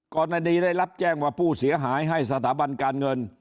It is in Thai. กรณีได้รับแจ้งว่าผู้เสียหายให้สถาบันการเงิน